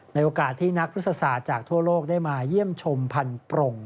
ในโอกาสที่นักพฤษศาสตร์จากทั่วโลกได้มาเยี่ยมชมพันธรง